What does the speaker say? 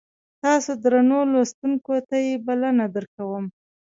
تاسو درنو لوستونکو ته یې بلنه درکوم.